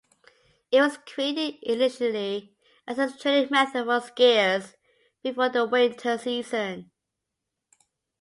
It was created initially as a training method for skiers before the winter season.